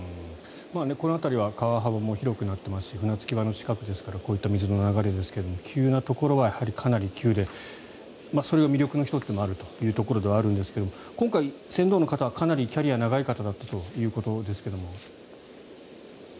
この辺りは川幅も広くなっていますし船着き場の近くですからこういった水の流れですが急なところはかなり急でそれが魅力の１つでもあるというところではあるんですが今回、船頭の方はかなりキャリアが長い方だったということですけれども。